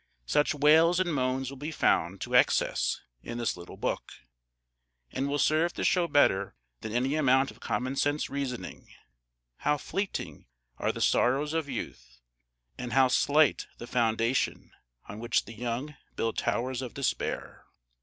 Such wails and moans will be found to excess in this little book, and will serve to show better than any amount of common sense reasoning, how fleeting are the sorrows of youth, and how slight the foundation on which the young build towers of despair.